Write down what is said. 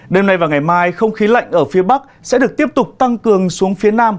đêm nay và ngày mai không khí lạnh ở phía bắc sẽ được tiếp tục tăng cường xuống phía nam